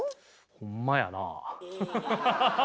ほんまやなあ。